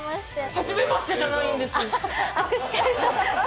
はじめましてじゃないんです。